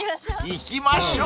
［行きましょう］